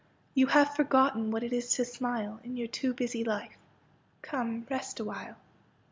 You have forgotten what it is to smile In your too busy life — come, rest awhile.